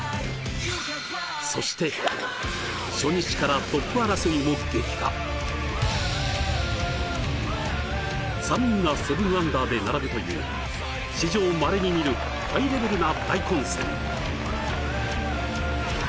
そして、初日からトップ争いも激化３人が７アンダーで並ぶという史上まれに見るハイレベルな大混戦。